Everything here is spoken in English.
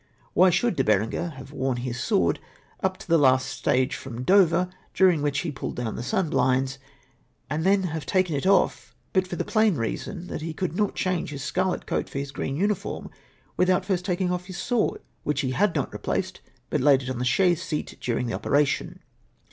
Wliy should De Berenger have worn his sword up to the last stage from Dover, during which he " pulled down the sunbhnds," and then have taken it off, but for the plain reason that he could not change his scarlet coat for his green uniform without first tak ing off his sword, which he had not replaced, but laid it on the chaise seat during the operation.